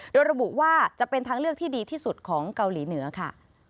โดยระบุว่าจะเป็นทางเลือกที่ดีที่สุดของเกาหลีเหนือค่ะ